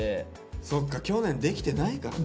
そっか去年できてないからね。